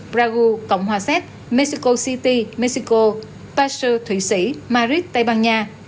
bragu cộng hòa xét mexico city mexico paso thụy sĩ madrid tây ban nha